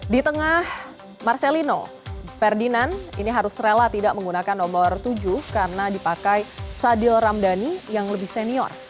di tengah marcelino ferdinand ini harus rela tidak menggunakan nomor tujuh karena dipakai sadil ramdhani yang lebih senior